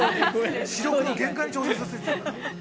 視力の限界に挑戦させるという。